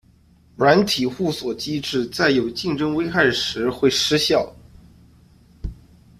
软体互锁机制在有竞争危害时会失效。